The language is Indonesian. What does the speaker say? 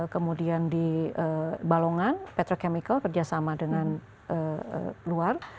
kemudian di balongan petrochemical kerjasama dengan luar